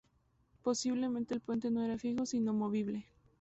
Posiblemente el puente no era fijo, sino movible.